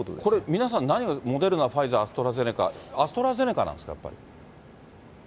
皆さん、何、モデルナ、ファイザー、アストラゼネカ、アストラゼネカなんですか、やっぱり。